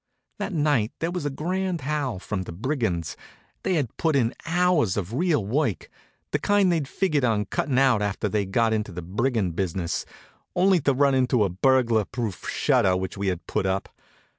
That night there was a grand howl from the brigands. They had put in hours of real work, the kind they'd figured on cutting out after they got into the brigand business, only to run into a burglar proof shutter which we had put up.